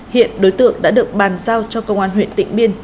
hiện đối tượng đã được bàn giao cho công an huyện tịnh biên